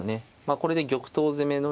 これで玉頭攻めのね